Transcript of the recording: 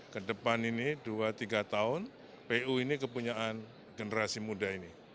kedepan ini dua tiga tahun pu ini kepunyaan generasi muda ini